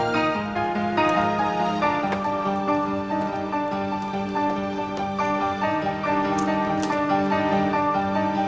diseases yang kalo kau bawa tiara